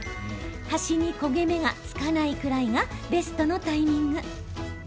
端に焦げ目がつかないくらいがベストのタイミング。